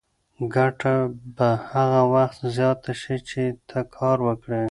ګټه به هغه وخت زیاته شي چې ته کار وکړې.